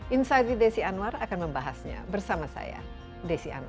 insider desi anwar akan membahasnya bersama saya desi anwar